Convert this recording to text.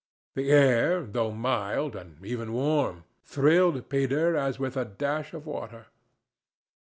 The air, though mild, and even warm, thrilled Peter as with a dash of water.